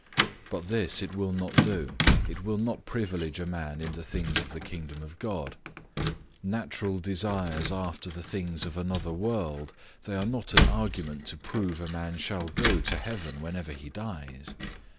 But this it will not do, it will not privilege a man in the things of the kingdom of God. Natural desires after the things of another world, they are not an argument to prove a man shall go to heaven whenever he dies.